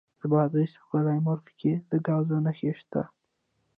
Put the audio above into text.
د بادغیس په بالامرغاب کې د ګاز نښې شته.